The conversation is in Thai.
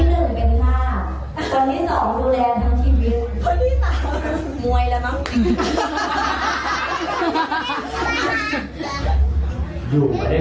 อยู่มาด้วยกันและร่ำรวยจะไปอ่ะทั้งหมดเลยไง